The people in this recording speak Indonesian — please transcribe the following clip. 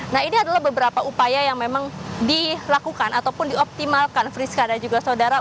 nah ini adalah beberapa upaya yang memang dilakukan ataupun dioptimalkan friska dan juga saudara